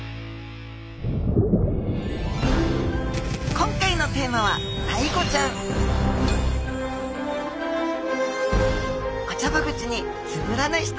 今回のテーマはアイゴちゃんおちょぼ口につぶらな瞳。